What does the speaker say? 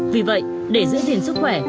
vì vậy để giữ gìn sức khỏe